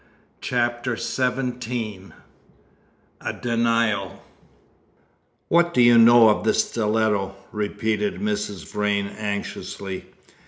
CHAPTER XVII A DENIAL "What do you know of the stiletto?" repeated Mrs. Vrain anxiously.